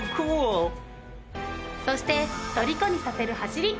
そして虜にさせる走り。